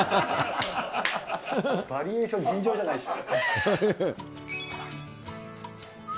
バリエーション尋常じゃないでしょ。